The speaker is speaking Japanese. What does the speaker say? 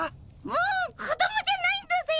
もう子供じゃないんだぜ。